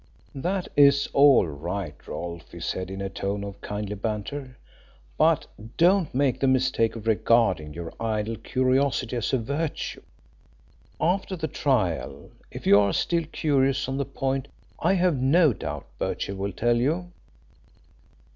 "That is all right, Rolfe," he said in a tone of kindly banter. "But don't make the mistake of regarding your idle curiosity as a virtue. After the trial, if you are still curious on the point, I have no doubt Birchill will tell you.